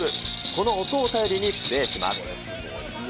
この音を頼りにプレーします。